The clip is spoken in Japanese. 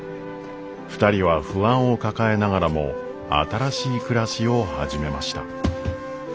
２人は不安を抱えながらも新しい暮らしを始めました。